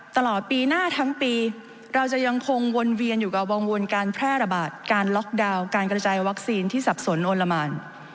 ตลอดปีหน้าทั้งปีเราจะยังคงวนเวียนอยู่กับวงวนการแพร่ระบาดการล็อกดาวน์การกระจายวัคซีนที่สับสนโอละมาน